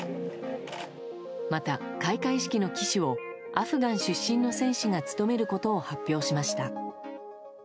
また、開会式の旗手をアフガン出身の選手が務めることを発表しました。